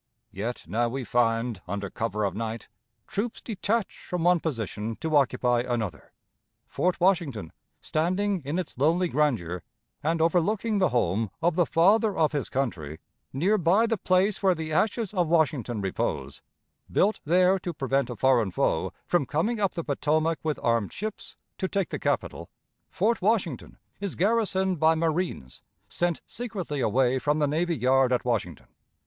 Yet now we find, under cover of night, troops detached from one position to occupy another. Fort Washington, standing in its lonely grandeur, and overlooking the home of the Father of his Country, near by the place where the ashes of Washington repose, built there to prevent a foreign foe from coming up the Potomac with armed ships to take the capital Fort Washington is garrisoned by marines sent secretly away from the navy yard at Washington.